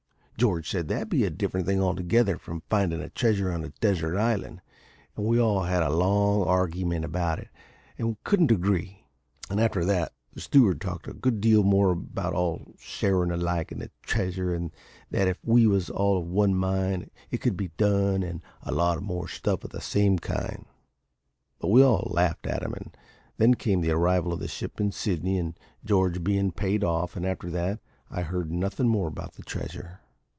"George said that 'd be a different thing altogether from findin' a treasure on a desert island; and we all had a long argyment about it, and couldn't agree; and, after that, the steward talked a good deal more about all sharin' alike in the treasure, and that if we was all of one mind it could be done, and a lot more stuff of the same kind. But we all laughed at him; and then came the arrival of the ship in Sydney, and George bein' paid off, and after that I heard nothin' more about the treasure."